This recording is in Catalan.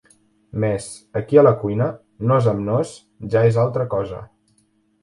Mes, aquí a la cuina… nós amb nós, ja és altra cosa…